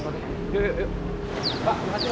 yuk yuk yuk